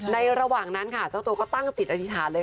ระหว่างนั้นค่ะเจ้าตัวก็ตั้งจิตอธิษฐานเลย